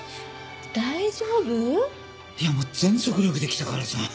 いやもう全速力で来たからさ。